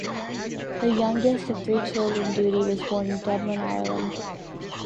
The youngest of three children, Doody was born in Dublin, Ireland.